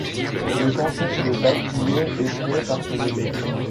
Le canton de Bavilliers est créé par ce décret.